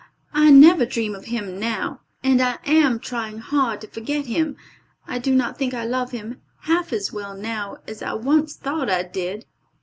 I never dream of him now, and I am trying hard to forget him. I do not think I love him half as well now as I once thought I did."